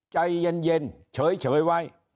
ใจเย็นเฉยไว้